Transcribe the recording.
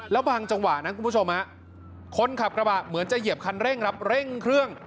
แล้วบางจังหวะนั้นคุณผู้ชมคนขับกระบะเหมือนจะเหยียบคันเร่งครับเร่งเครื่อง